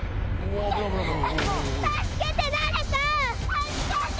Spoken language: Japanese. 助けて！